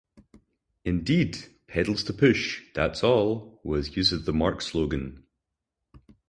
Indeed, "Pedals to push, that's all" was used as the marque's slogan.